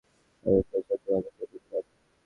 আমি প্রচণ্ডভাবে কেঁপে উঠলাম।